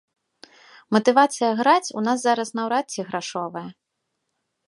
Матывацыя граць у нас зараз наўрад ці грашовая.